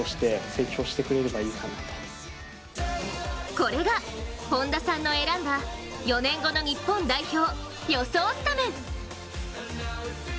これが本田さんの選んだ４年後の日本代表予想スタメン。